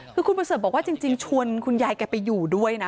คือคุณประเสริฐบอกว่าจริงชวนคุณยายแกไปอยู่ด้วยนะ